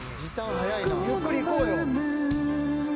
ゆっくりいこうよ。